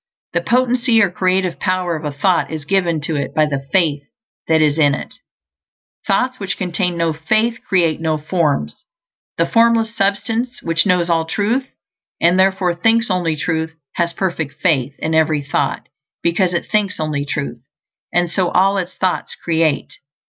The potency, or creative power, of a thought is given to it by the faith that is in it. Thoughts which contain no faith create no forms. The Formless Substance, which knows all truth and therefore thinks only truth, has perfect faith in every thought, because it thinks only truth; and so all its thoughts create.